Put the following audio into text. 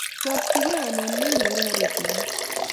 chakchige, anan menyoru karitab maat?